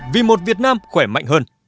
vì một việt nam khỏe mạnh hơn